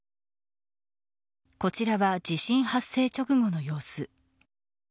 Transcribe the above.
こちらは地震発生直後の様子。